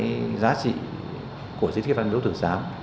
những cái giá trị của di tích vân miếu quốc tử giám